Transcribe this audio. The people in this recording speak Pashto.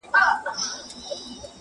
له ټوکرانو څخه جوړه وه رنګینه -